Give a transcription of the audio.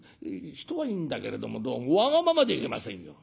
人はいいんだけれどもどうもわがままでいけませんよ。